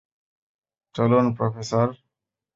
চলুন, প্রফেসর!